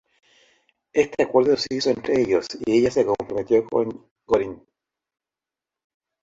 Este acuerdo se hizo entre ellos, y ella se comprometió con Gorm.